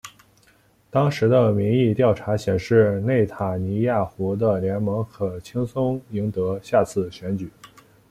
当时的民意调查显示内塔尼亚胡的联盟可轻松赢得下次选举。